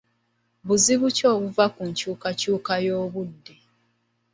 Buzibu ki obuva ku nkyukakyuka y'obudde?